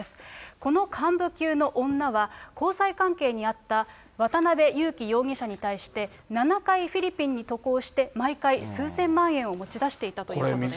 この幹部級の女は、交際関係にあった渡辺優樹容疑者に対して、７回フィリピンに渡航して、毎回数千万円を持ち出していたということです。